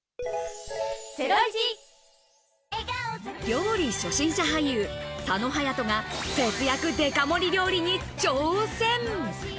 料理初心者俳優・佐野勇斗が節約デカ盛り料理に挑戦。